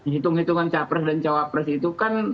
hitung hitungan capres dan cawapres itu kan